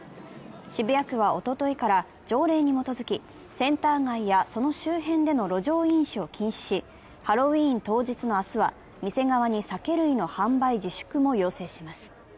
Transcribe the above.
渋谷区は、おとといから条例に基づき、センター街やその周辺での路上飲酒を禁止し、ハロウィーン当日の明日は店側に酒類の販売自粛も要請します。